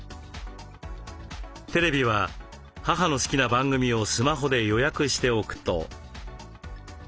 テレビは母の好きな番組をスマホで予約しておくと。